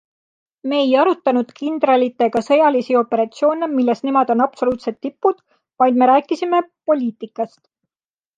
Me ei arutanud kindralitega sõjalisi operatsioone, milles nemad on absoluutsed tipud, vaid me rääkisime poliitikast.